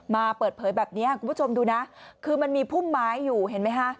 มีผู้ม้ายอยู่เห็นไหม